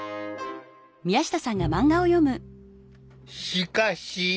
しかし。